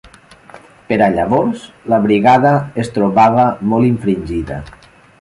Per a llavors la brigada es trobava molt infringida.